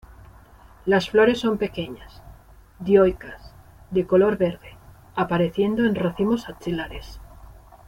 Las flores son pequeñas, dioicas, de color verde, apareciendo en racimos axilares.